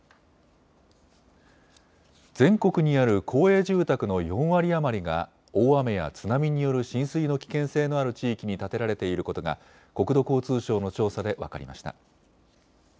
全国にある公営住宅の４割余りが大雨や津波による浸水の危険性のある地域に建てられていることが国土交通省の調査で分かりました。